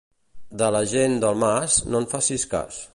De la gent del Mas, no en facis cas.